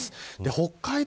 北海道